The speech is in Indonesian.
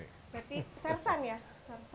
berarti sersan ya